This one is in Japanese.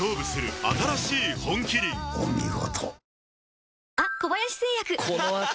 お見事。